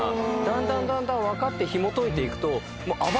だんだんだんだん分かってひもといていくと。